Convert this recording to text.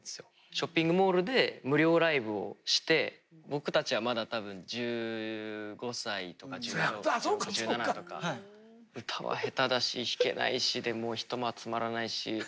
ショッピングモールで無料ライブをして僕たちはまだ多分１５歳とか１６歳１７とか歌は下手だし弾けないしでもう人も集まらないし。